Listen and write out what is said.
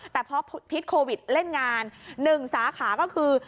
แต่พอพิษโควิดเล่นงาน๑สาขาก็คือ